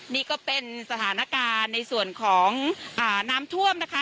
นี่ก็เป็นสถานการณ์ในส่วนของน้ำท่วมนะคะ